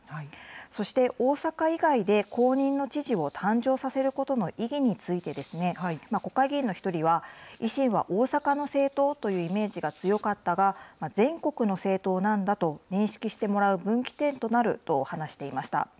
そして、大阪以外で公認の知事を誕生させることの意義について、国会議員の一人は、維新は大阪の政党というイメージが強かったが、全国の政党なんだと認識してもらう分岐点となる話していました。